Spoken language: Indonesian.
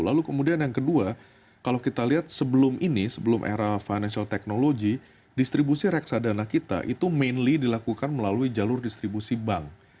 lalu kemudian yang kedua kalau kita lihat sebelum ini sebelum era financial technology distribusi reksadana kita itu mainly dilakukan melalui jalur distribusi bank